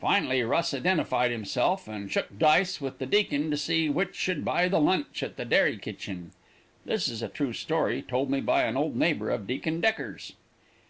"Finally Russ identified himself, and shook dice with the deacon to see which should buy the lunch at the dairy kitchen. This is a true story, told me by an old neighbor of Deacon Decker's.